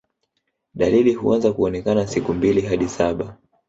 Dalili huanza kuonekana siku mbili hadi saba